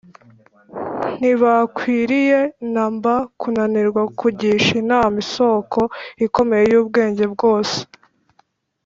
ntibakwiriye na mba kunanirwa kugisha inama isoko ikomeye y’ubwenge bwose.